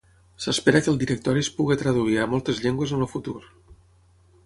S'espera que el directori es pugui traduir a moltes llengües en el futur.